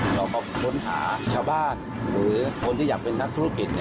เราก็ค้นหาชาวบ้านหรือคนที่อยากเป็นนักธุรกิจ